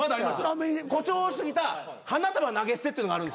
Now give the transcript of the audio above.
誇張し過ぎた花束投げ捨てっていうのがある。